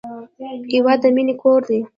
هېواد د مینې کور دی.